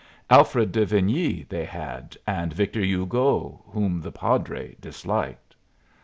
Alfred de Vigny they had, and Victor Hugo, whom the padre disliked.